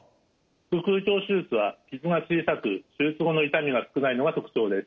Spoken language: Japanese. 腹腔鏡手術は傷が小さく手術後の痛みが少ないのが特徴です。